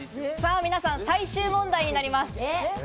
皆さん、最終問題になります。